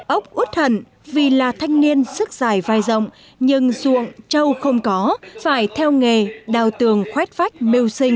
ốc út hận vì là thanh niên sức dài vai rộng nhưng ruộng trâu không có phải theo nghề đào tường khoét vách mưu sinh